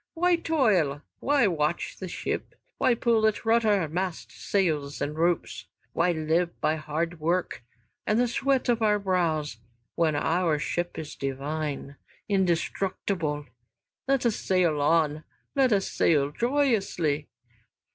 "Why toil, why watch the ship, why pull at rudder, masts, sails, and ropes? Why live by hard work and the sweat of our brows, when our ship is divine, indestructible? Let us sail on, let us sail joyously."